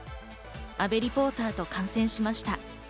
阿部リポーターと観戦しました。